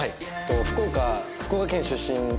福岡福岡県出身